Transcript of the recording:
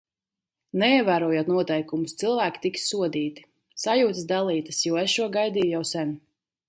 Neievērojot noteikumus, cilvēki tiks sodīti. Sajūtas dalītas, jo es šo gaidīju jau sen.